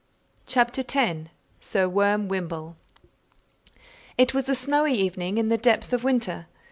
CHAPTER X Sir Worm Wymble It was a snowy evening in the depth of winter.